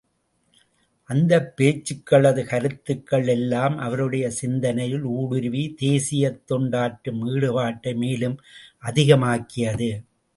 அந்த பேச்சுக்களது கருத்துக்கள் எல்லாம் அவருடைய சிந்தனையில் ஊடுருவி, தேசியக் தொண்டாற்றும் ஈடுபாட்டை மேலும் அதிகமாக்கியது.